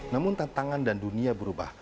namun tantangan dan dunia berubah